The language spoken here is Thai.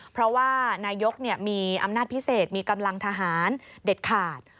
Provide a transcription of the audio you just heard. เพราะว่านายกมีอำนาจพิเศษมีกำลังทหารเด็ดขาด